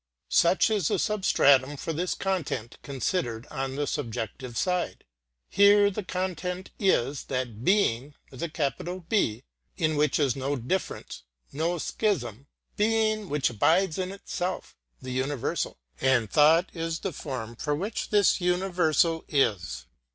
Such is the substratum for this content considered on the subjective side. Here the content is that Being in which is no difference, no schism; Being which abides in itself, the universal; and thought is the form for which this universal is.